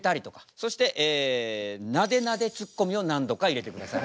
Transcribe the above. そしてなでなでツッコミを何度か入れてください。